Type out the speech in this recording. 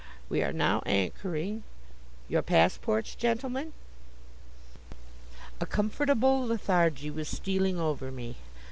'We are now anchoring.' 'Your passports, gentlemen.'" A comfortable lethargy was stealing o'er me.